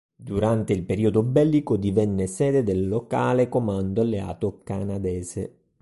Durante il periodo bellico divenne sede del locale comando alleato canadese.